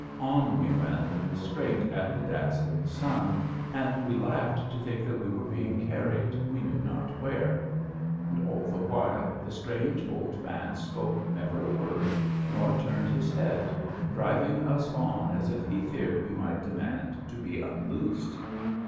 On we went straight at the dazzling sun and we laughed to think that we were being carried we knew not where. And all the while the strange old man spoke never a word nor turned his head, driving us on as if he feared we might demand to be unloosed.